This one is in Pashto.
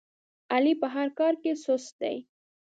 علي په هر کار کې سست دی.